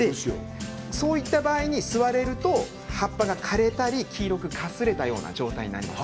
そういった場合に吸われると葉っぱが枯れたり黄色くかすれたような状態になります。